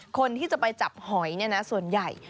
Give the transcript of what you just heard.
คนที่จะไปจับหอยเนี่ยนะส่วนใหญ่